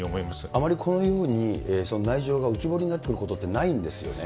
あまりこのように、内情が浮き彫りになってくることってないんですよね。